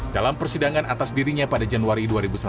dalam persidangan atas dirinya pada januari dua ribu sembilan belas